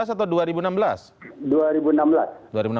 dua ribu sebelas atau dua ribu enam belas